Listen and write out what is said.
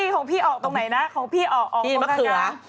ของพี่สูงของด้านกลาง